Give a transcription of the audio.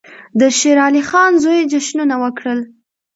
د شېر علي خان زوی جشنونه وکړل.